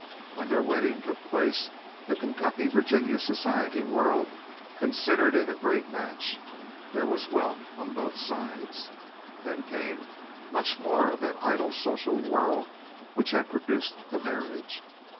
When their wedding took place the Kentucky Virginia society world considered it a great match. There was wealth on both sides. Then came much more of that idle social whirl which had produced the marriage.